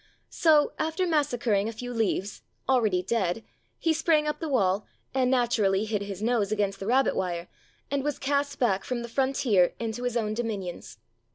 So, after massacring a few leaves (already dead), he sprang up the wall, and naturally hit his nose against the rabbit wire, and was cast back from the frontier into his own dominions.